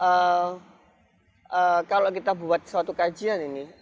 dan juga untuk dicermati sebetulnya kalau kita buat suatu kajian ini